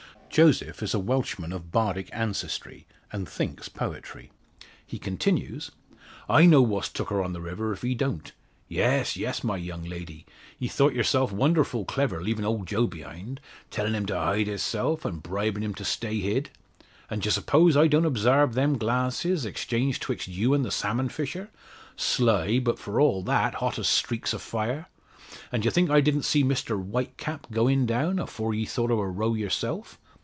Joseph is a Welshman of Bardic ancestry, and thinks poetry. He continues "I know what's took her on the river, if he don't. Yes yes, my young lady! Ye thought yerself wonderful clever leavin' old Joe behind, tellin' him to hide hisself, and bribin' him to stay hid! And d'y 'spose I didn't obsarve them glances exchanged twixt you and the salmon fisher sly, but for all that, hot as streaks o' fire? And d'ye think I didn't see Mr Whitecap going down, afore ye thought o' a row yerself.